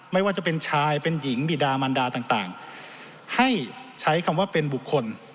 ไม่ว่าจะเป็นชายเป็นหญิงบิดามันดาต่างให้ใช้คำว่าเป็นบุคคล